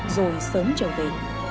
rồi sớm trở về